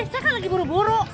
saya kan lagi buru buru